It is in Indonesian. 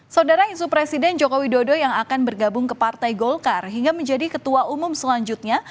saudara isu presiden jokowi dodo yang akan bergabung ke partai golkar hingga menjadi ketua umum selanjutnya